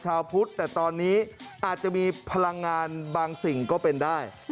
ชาวพุทธแต่ตอนนี้อาจจะมีพลังงานบางสิ่งก็เป็นได้